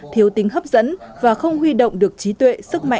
thiếu tính hấp dẫn và không huy động được trí tuệ sức mạnh của các đảng viên